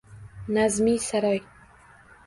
Nazmiy saroy.